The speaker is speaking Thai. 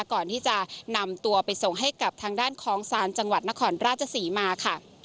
ก่อนที่จะนำตัวไปส่งให้กับทางด้านของศาลจังหวัดนครราชศรีมาค่ะ